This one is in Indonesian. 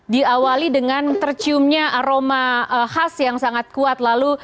diawali dengan terciumnya aroma khas yang sangat kuat lalu